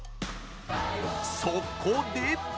そこで！